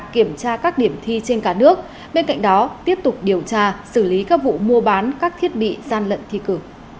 kiểm tra các điểm thi trên cả nước bên cạnh đó tiếp tục điều tra xử lý các vụ mua bán các thiết bị gian lận thi cử